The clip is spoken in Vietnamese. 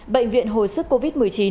bệnh viện hồi sức covid một mươi chín